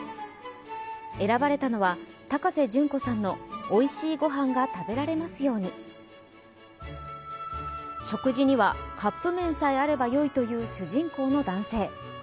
選ばれたのは高瀬隼子さんの「おいしいごはんが食べられますように」食事には、カップ麺さえあればよいという主人公の男性。